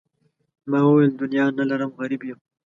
ما وویل دنیا نه لرم غریب یم.